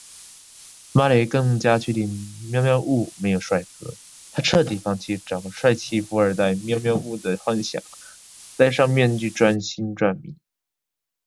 猫雷更加确定喵喵露没有帅哥，她彻底放弃找个帅气富二代喵喵露的幻想，戴上面具专心赚米